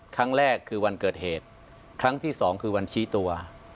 ครั้งแรกคือวันเกิดเหตุครั้งที่สองคือวันชี้ตัว